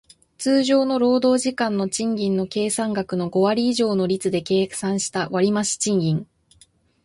通常の労働時間の賃金の計算額の五割以上の率で計算した割増賃金